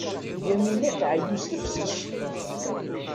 Yamina tɛeyyu s tefses.